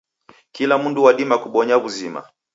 Kila mundu wadima kubonya w'uzima.